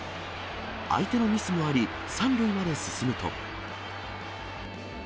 相手のミスもあり、３塁まで進むと。